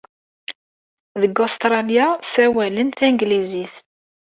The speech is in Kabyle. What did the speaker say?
Deg Ustṛalya, ssawalen tanglizit.